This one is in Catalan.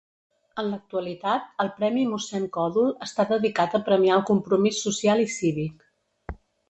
En l'actualitat el premi Mossèn Còdol, està dedicat a premiar el compromís social i cívic.